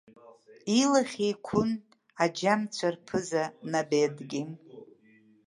Илахь еиқәын аџьамцәа рԥыза Набедгьы.